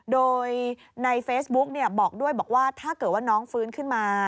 โดยในเฟซบุ๊กบอกด้วยบอกว่าถ้าเกิดว่าน้องฟื้นขึ้นมา